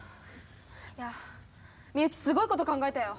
いや深雪すごいこと考えたよ。